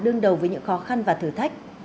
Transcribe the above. đương đầu với những khó khăn và thử thách